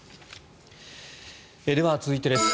では、続いてです。